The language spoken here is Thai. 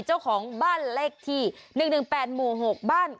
เจ้าของบ้านเลขที่๑๑๘หมู่๖บ้าน